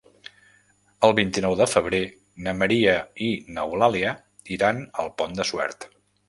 El vint-i-nou de febrer na Maria i n'Eulàlia iran al Pont de Suert.